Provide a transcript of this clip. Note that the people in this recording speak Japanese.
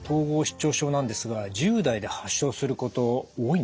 失調症なんですが１０代で発症すること多いんですか？